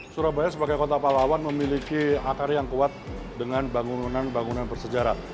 surabaya sebagai kota palawan memiliki akar yang kuat dengan bangunan bangunan bersejarah